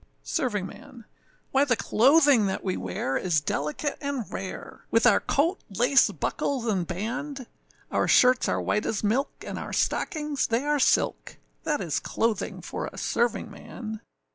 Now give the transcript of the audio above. SERVINGMAN. Why the clothing that we wear is delicate and rare, With our coat, lace, buckles, and band; Our shirts are white as milk, and our stockings they are silk, That is clothing for a servingman.